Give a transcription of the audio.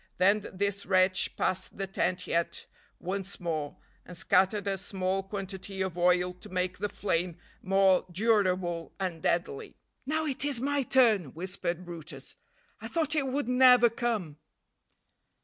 Then this wretch passed the tent yet once more, and scattered a small quantity of oil to make the flame more durable and deadly. "Now it is my turn," whispered brutus. "I thought it would never come."